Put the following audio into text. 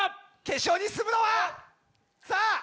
決勝に進むのは？